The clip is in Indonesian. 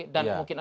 dan mungkin ada